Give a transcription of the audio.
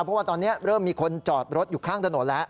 เพราะว่าตอนนี้เริ่มมีคนจอดรถอยู่ข้างถนนแล้ว